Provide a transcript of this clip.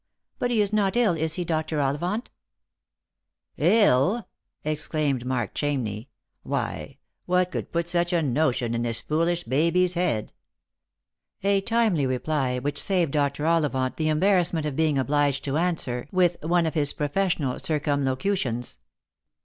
But he is not ill, is he, Dr. Ollivant ?"" 111 !" exclaimed Mark Chamney ;" why, what could put such a notion into this foolish Baby's head P " A timely reply, which saved Dr. Ollivant the embarrassment of being obliged to answer with one of his professional circumlocutions.